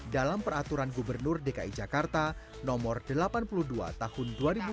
dalam peraturan gubernur dki jakarta nomor delapan puluh dua tahun dua ribu dua puluh